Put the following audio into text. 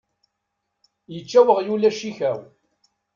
Yečča weɣyul acikaw.